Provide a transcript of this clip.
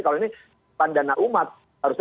kalau ini pandana umat harusnya